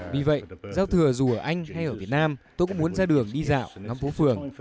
vì vậy giao thừa dù ở anh hay ở việt nam tôi cũng muốn ra đường đi dạo ở ngắm phố phường